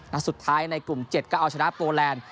สุดท้ายในกลุ่ม๗ก็เอาชนะโปแลนด์